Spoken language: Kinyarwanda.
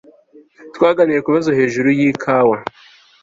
twaganiriye kubibazo hejuru yikawa